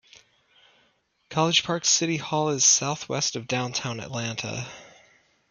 College Park's City Hall is southwest of downtown Atlanta.